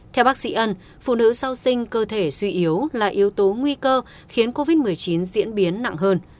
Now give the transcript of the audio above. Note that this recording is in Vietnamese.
theo bác sĩ ân phụ nữ sau sinh cơ thể suy yếu là yếu tố nguy cơ khiến covid một mươi chín diễn biến nặng hơn